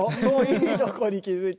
いいところに気付いた。